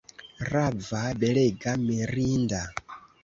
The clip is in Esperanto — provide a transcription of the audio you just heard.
Rava, belega, mirinda!